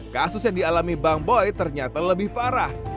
kasus yang dialami bang boy ternyata lebih parah